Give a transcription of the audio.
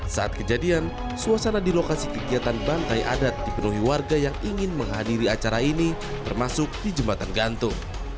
saat kejadian suasana di lokasi kegiatan bantai adat dipenuhi warga yang ingin menghadiri acara ini termasuk di jembatan gantung